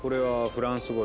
フランス語？